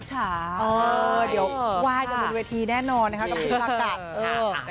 ขอบคุณล่ะค่ะ